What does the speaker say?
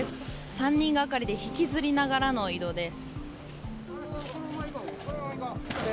３人がかりで引きずりながらの移動です。